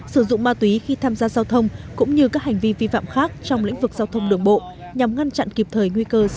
sử dụng ma túy khi tham gia giao thông cũng như các hành vi vi phạm khác trong lĩnh vực giao thông đường bộ nhằm ngăn chặn kịp thời nguy cơ xảy ra tai nạn